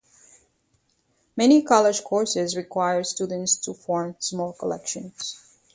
Many college courses require students to form small collections.